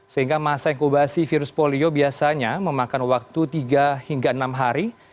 sehingga masa inkubasi virus polio biasanya memakan waktu tiga hingga enam hari